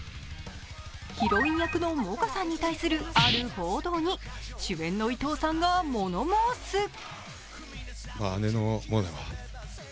ヒロイン役の萌歌さんに対するある報道に主演の伊藤さんが、もの申す！